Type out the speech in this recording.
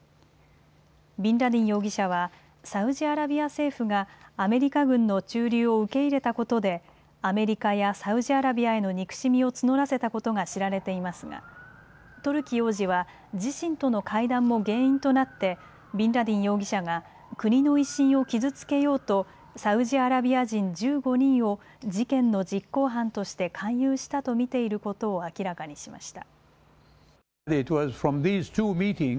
ビンラディン容疑者はサウジアラビア政府がアメリカ軍の駐留を受け入れたことでアメリカやサウジアラビアへの憎しみを募らせたことが知られていますがトルキ王子は自身との会談も原因となってビンラディン容疑者が国の威信を傷つけようとサウジアラビア人１５人を事件の実行犯として勧誘したと見ていることを明らかにしました。